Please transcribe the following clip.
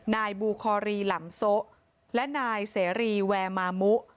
นายบูคอรีหลำโซะและนายเสรีแวร์มามุ